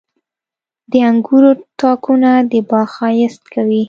• د انګورو تاکونه د باغ ښایست کوي.